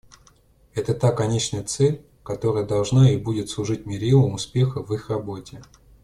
Это та конечная цель, которая должна и будет служить мерилом успеха в их работе.